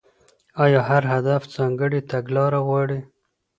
ايا هر هدف ځانګړې تګلاره غواړي؟